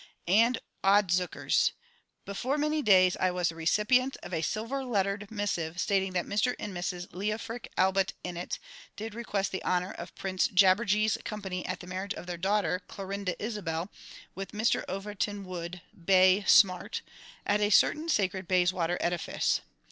And odzookers! before many days I was the recipient of a silver lettered missive, stating that Mr and Mrs LEOFRIC ALLBUTT INNETT did request the honour of Prince JABBERJEE'S company at the marriage of their daughter, CLORINDA ISABEL, with Mr OVERTON WOODBEIGH SMART, at a certain sacred Bayswater edifice.